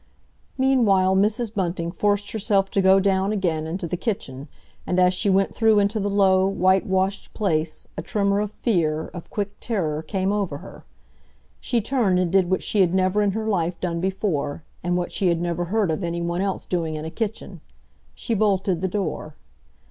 Meanwhile, Mrs. Bunting forced herself to go down again into the kitchen, and as she went through into the low, whitewashed place, a tremor of fear, of quick terror, came over her. She turned and did what she had never in her life done before, and what she had never heard of anyone else doing in a kitchen. She bolted the door.